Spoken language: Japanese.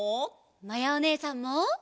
まやおねえさんも。